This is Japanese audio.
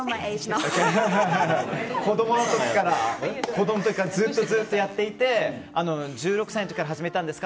子供の時からずっとやっていて１６歳の時から始めたんですか？